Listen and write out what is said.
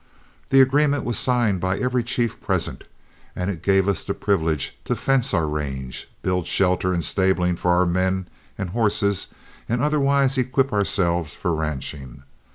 The agreement was signed by every chief present, and it gave us the privilege to fence our range, build shelter and stabling for our men and horses, and otherwise equip ourselves for ranching.